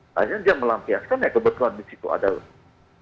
akhirnya dia melampiaskan ya kebetulan di situ ada